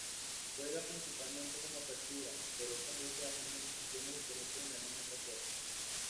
Juega principalmente como apertura, pero otras veces asume posiciones diferentes en la línea trasera.